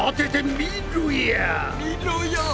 みろや！